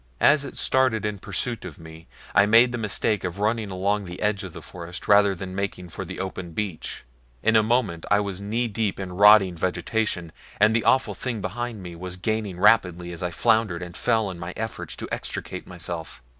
As it started in pursuit of me I made the mistake of running along the edge of the forest rather than making for the open beach. In a moment I was knee deep in rotting vegetation, and the awful thing behind me was gaining rapidly as I floundered and fell in my efforts to extricate myself.